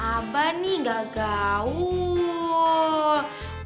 abah nih nggak gaul